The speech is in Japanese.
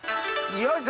よいしょ。